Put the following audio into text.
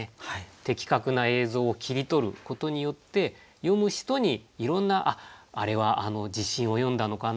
的確な映像を切り取ることによって読む人にいろんなあっあれはあの地震を詠んだのかな